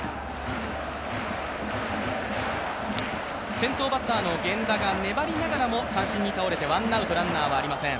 先頭バッターの源田が粘りながらも三振に倒れてワンアウト、ランナーはありません。